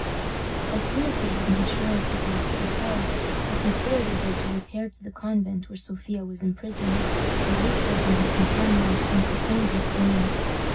As soon as they had made sure of the death of the Czar, the conspirators were to repair to the convent where Sophia was imprisoned, release her from her confinement, and proclaim her queen.